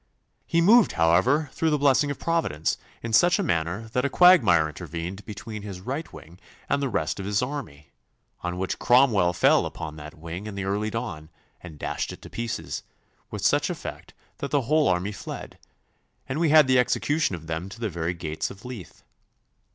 He moved, however, through the blessing of Providence, in such a manner that a quagmire intervened between his right wing and the rest of his army, on which Cromwell fell upon that wing in the early dawn, and dashed it to pieces, with such effect that the whole army fled, and we had the execution of them to the very gates of Leith.